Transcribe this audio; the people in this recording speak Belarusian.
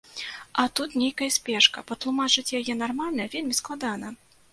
А тут нейкая спешка, патлумачыць яе нармальна вельмі складана.